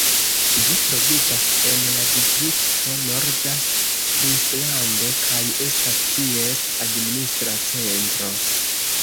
Ĝi troviĝas en la distrikto Norda Frislando, kaj estas ties administra centro.